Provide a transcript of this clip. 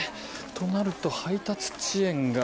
となると配達遅延が。